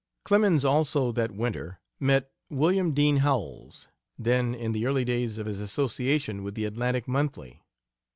Clemens also, that winter, met William Dean Howells, then in the early days of his association with the Atlantic Monthly.